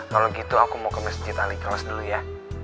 kalau gitu aku mau ke mesjid aliklos dulu ya